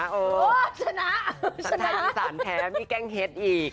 อีสานแอบและมีแกล้งเฮ็ดอีก